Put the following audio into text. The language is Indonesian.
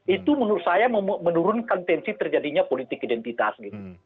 itu menurut saya menurunkan tensi terjadinya politik identitas gitu